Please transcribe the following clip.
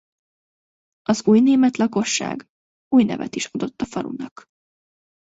Az új német lakosság új nevet is adott a falunak.